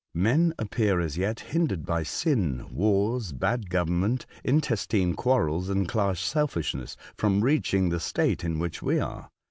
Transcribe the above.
Men appear, as yet, hindered by sin, wars, bad government, intestine quarrels, and class selfishness, from reaching the state in which we are.